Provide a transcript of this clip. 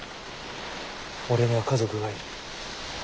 俺には家族がいる。